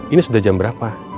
ini sudah jam berapa